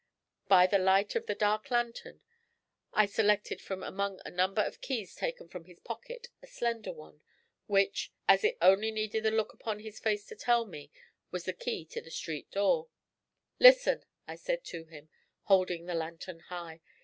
By the light of the dark lantern I selected from among a number of keys taken from his pocket a slender one, which, as it only needed the look upon his face to tell me, was the key to the street door. 'Listen!' I said to him, holding the lantern high.